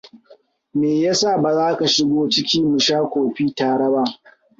Meyasa baza ka shigo ciki mu sha Kofi tare ba?